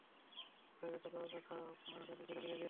তাই এটা করার কথা মাথা থেকে ঝেড়ে ফেলে দিন।